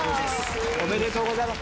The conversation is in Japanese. おめでとうございます。